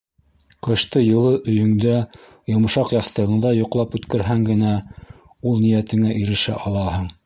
— Ҡышты йылы өйөңдә, йомшаҡ яҫтығыңда йоҡлап үткәрһәң генә, ул ниәтеңә ирешә алаһың.